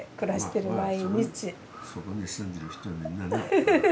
そこに住んでる人はみんなな。